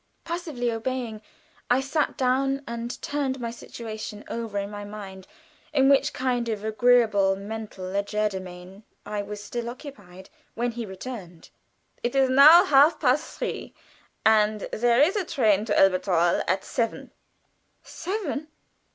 Passively obeying, I sat down and turned my situation over in my mind, in which kind of agreeable mental legerdemain I was still occupied when he returned. "It is now half past three, and there is a train to Elberthal at seven." "Seven!"